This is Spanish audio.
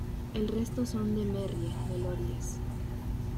El resto son de Merrie Melodies.